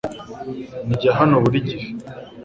Ndya hano buri gihe .